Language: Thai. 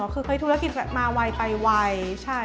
คือธุรกิจมาไวไปไว